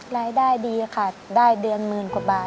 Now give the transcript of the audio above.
รายได้ดีค่ะได้เดือนหมื่นกว่าบาท